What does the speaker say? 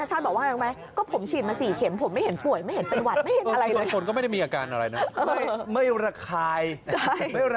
อาจารย์ชาชาบอกว่าอย่างไร